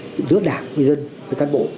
giữa đảng dân cán bộ